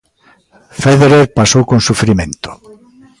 Féderer pasou con sufrimento.